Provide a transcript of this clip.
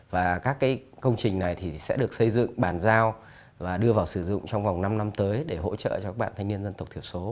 và các công trình này sẽ được xây dựng bàn giao và đưa vào sử dụng trong vòng năm năm tới để hỗ trợ cho các bạn thanh niên dân tộc thiểu số